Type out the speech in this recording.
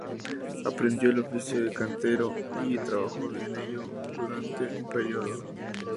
Aprendió el oficio de cantero y trabajó de ello durante un periodo.